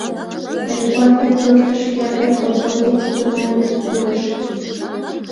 Парикмахер пӧртыш ятыр колхозник погынен пурыш.